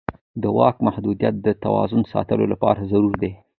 د واک محدودیت د توازن ساتلو لپاره ضروري دی